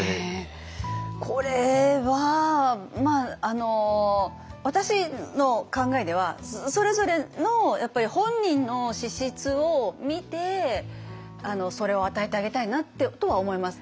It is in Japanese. これは私の考えではそれぞれの本人の資質を見てそれを与えてあげたいなとは思います。